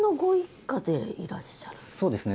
そうですね。